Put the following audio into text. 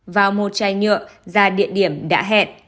vào một chai nhựa ra địa điểm đã hẹn